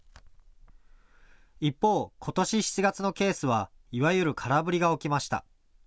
一方、ことし７月のケースはいわゆる空振りが起きました。